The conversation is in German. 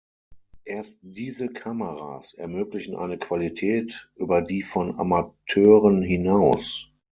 Erst diese Kameras ermöglichen eine Qualität über die von Amateuren hinaus.